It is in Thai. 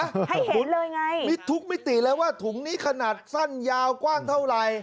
ให้เห็นเลยไงมิดทุกมิติเลยว่าถุงนี้ขนาดสั้นยาวกว้างเท่าไหร่